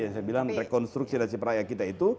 yang saya bilang rekonstruksi nasi peraya kita itu